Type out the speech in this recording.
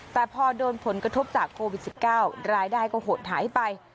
แต่พอโดนผลกระทบจากโควิด๑๙รายได้ก็หดหายไป